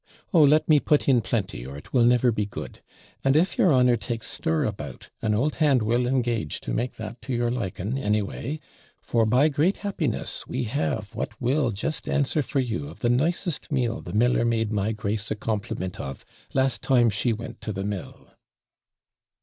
Oh, let me put in plenty, or it will never be good; and if your honour takes stir about, an old hand will engage to make that to your liking, anyway; for, by great happiness, we have what will just answer for you of the nicest meal the miller made my Grace a compliment of, last time she went to the mill.'